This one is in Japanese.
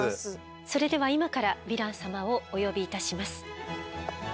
それでは今からヴィラン様をお呼びいたします。